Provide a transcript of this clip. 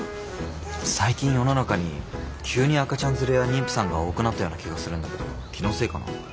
最近世の中に急に赤ちゃん連れや妊婦さんが多くなったような気がするんだけど気のせいかな？